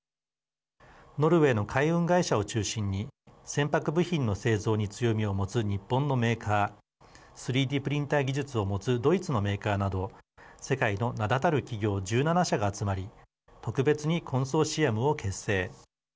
ノルウェーの海運会社を中心に船舶部品の製造に強みを持つ日本のメーカー３Ｄプリンター技術を持つドイツのメーカーなど世界の名だたる企業１７社が集まり特別にコンソーシアムを結成。